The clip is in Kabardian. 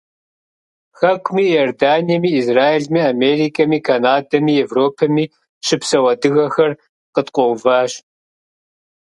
Хэкуми, Иорданиеми, Израилми, Америкэми, Канадэми, Европэми щыпсэу адыгэхэр къыткъуэуващ.